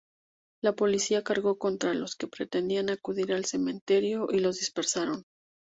La policía cargó contra los que pretendían acudir al cementerio y los dispersaron.